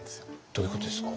どういうことですか？